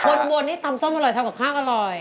คนบทนี้ตำส้ำอร่อยทำแบบภักรณ์อร่อย